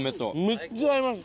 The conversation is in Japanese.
めっちゃ合います。